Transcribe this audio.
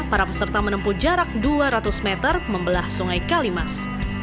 para peserta menempuh jarak dua ratus meter membelah sungai kalimas